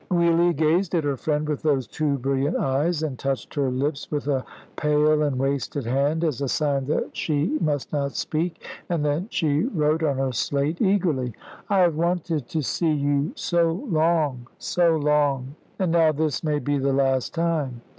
Giulia gazed at her friend with those too brilliant eyes, and touched her lips with a pale and wasted hand, as a sign that she must not speak, and then she wrote on her slate eagerly: "I have wanted to see you so long, so long, and now this may be the last time.